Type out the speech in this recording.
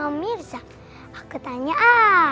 om mirza gak keliatan dah